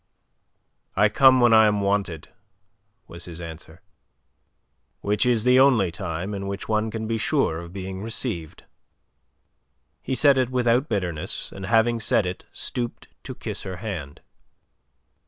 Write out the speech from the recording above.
"I come when I am wanted," was his answer. "Which is the only time in which one can be sure of being received." He said it without bitterness, and having said it stooped to kiss her hand.